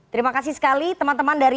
terima kasih sekali teman teman dari